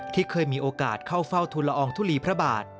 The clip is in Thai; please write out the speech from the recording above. ที่เคยมีโอกาสเข้าเฝ้าทุลอองทุลีพระบาท